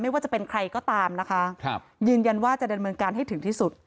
ว่าจะเป็นใครก็ตามนะคะยืนยันว่าจะดำเนินการให้ถึงที่สุด